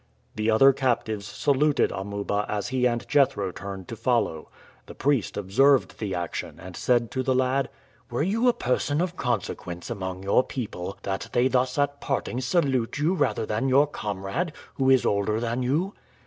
The other captives saluted Amuba as he and Jethro turned to follow. The priest observed the action, and said to the lad: "Were you a person of consequence among your people that they thus at parting salute you rather than your comrade, who is older than you?"